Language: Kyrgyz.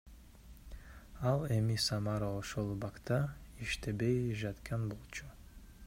Ал эми Самара ошол убакта иштебей жаткан болчу.